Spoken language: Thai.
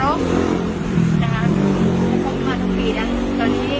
อืมดูแปลกตอนนี้ก็จะมีครบด้านตอนนี้